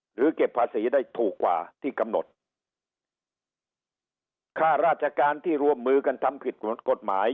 หรือเก็บภาษีได้ถูกกว่าที่กำหนดค่าราชการที่รวมมือกันทำผิดกฎหมาย